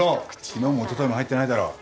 昨日もおとといも入ってないだろう。